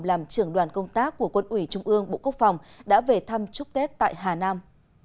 làm trưởng đoàn công tác của quân ủy trung ương bộ quốc phòng đã về thăm chúc tết tại hà nam